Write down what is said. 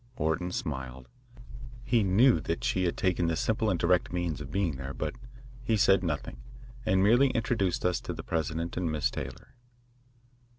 Orton smiled. He knew that she had taken this simple and direct means of being there, but he said nothing, and merely introduced us to the president and Miss Taylor.